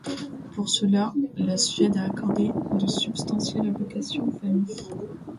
Pour cela, la Suède a accordé de substantielles allocations aux familles.